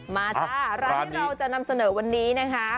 จ้าร้านที่เราจะนำเสนอวันนี้นะคะ